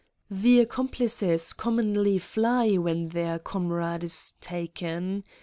The accomplices commonly fly when their comrade is taken.